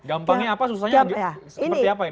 gampangnya apa susahnya seperti apa ya